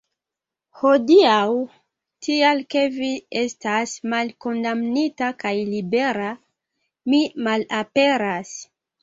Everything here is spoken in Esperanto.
Hodiaŭ, tial ke vi estas malkondamnita kaj libera, mi malaperas.